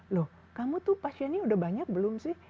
loh kamu tuh pasiennya udah banyak belum sih